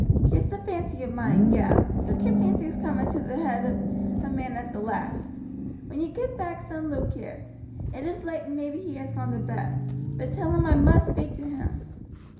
"Just a fancy of mine, gal, such a fancy as comes into the head of a man at the last. When you get back send Luke here. It is late and maybe he has gone to bed, but tell him I must speak to him.